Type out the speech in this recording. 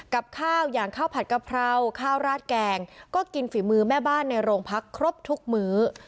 กับข้าวอย่างข้าวผัดกะเพราข้าวราดแกงก็กินฝีมือแม่บ้านในโรงพักครบทุกมื้อ